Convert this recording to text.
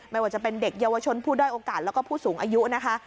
ไม่ว่าจะเป็นเด็กเยาวชนผู้ด้อยโอกาสแล้วก็ผู้สูงอายุนะคะ